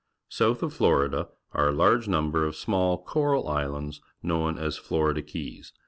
South of Florida are a laige number of small cor al islands, known as Florida Keys.